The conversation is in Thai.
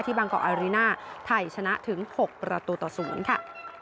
ที่บางกอลอารีน่าไทยชนะถึงหกประตูต่อศูนย์ค่ะ